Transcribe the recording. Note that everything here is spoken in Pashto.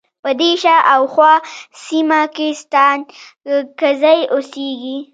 په دې شا او خواه سیمه کې ستانکزی اوسیږی.